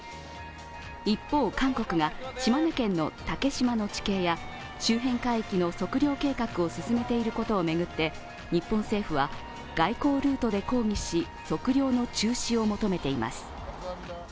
一方、韓国が島根県の竹島の地形や周辺海域の測量計画を進めていることを巡って、日本政府は外交ルートで抗議し測量の中止を求めています。